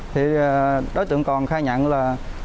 thì đối tượng còn khai nhận là